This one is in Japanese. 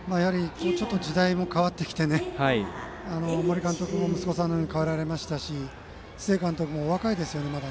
時代も変わってきて森監督も息子さんに代わられましたし須江監督もお若いですよね、まだ。